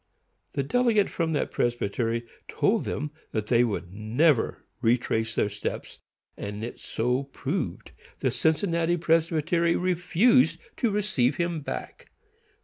The delegate from that presbytery told them that they would never retrace their steps, and so it proved. The Cincinnati Presbytery refused to receive him back.